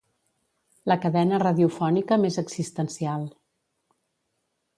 La cadena radiofònica més existencial.